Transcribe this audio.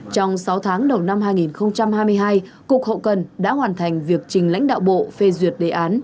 trong sáu tháng đầu năm hai nghìn hai mươi hai cục hậu cần đã hoàn thành việc trình lãnh đạo bộ phê duyệt đề án